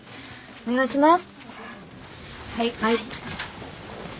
お願いします。